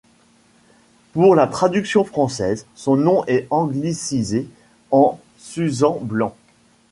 Pour la traduction française, son nom est anglicisé en Susan Blanc.